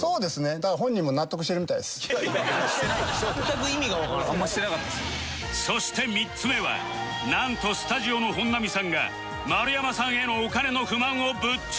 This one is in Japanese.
だからそして３つ目はなんとスタジオの本並さんが丸山さんへのお金の不満をぶっちゃけ！？